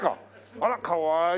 あらかわいい！